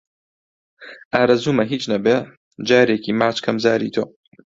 ئارەزوومە هیچ نەبێ جارێکی ماچ کەم زاری تۆ